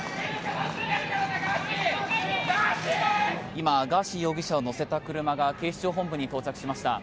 今、ガーシー容疑者を乗せた車が警視庁本部に到着しました。